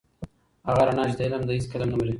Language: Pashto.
هغه رڼا چي د علم ده هېڅکله نه مري.